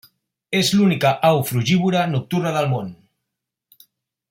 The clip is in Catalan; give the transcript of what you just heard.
És l'única au frugívora nocturna del món.